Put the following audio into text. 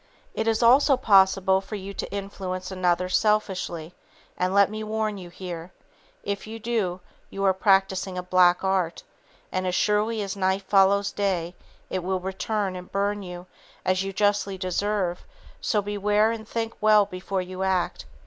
It is also possible for you to influence another selfishly, and let me warn you here, if you do, you are practicing black art, and as surely as night follows day it will return and burn you as you justly deserve, so beware and think well before you act.